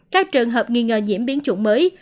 các trường hợp nghi ngờ nhiễm biến chủng mới